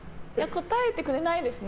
応えてくれないですね。